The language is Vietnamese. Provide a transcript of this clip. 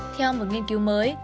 theo một nghiên cứu mới